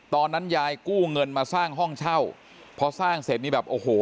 ตอนนั้นยายกู้เงินมาสร้างห้องเช่าพอสร้างเสร็จนี่แบบโอ้โห